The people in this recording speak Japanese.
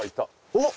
おっ。